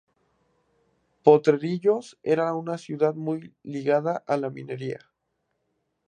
Potrerillos era una ciudad muy ligada a la minería.